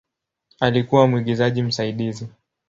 Alikuwa mwigizaji msaidizi.